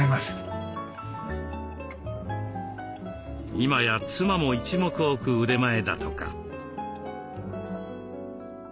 今や妻も一目置く腕前だとか。